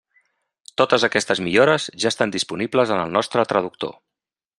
Totes aquestes millores ja estan disponibles en el nostre traductor.